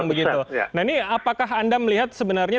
nah ini apakah anda melihat sebenarnya